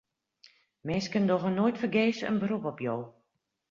Minsken dogge noait fergees in berop op jo.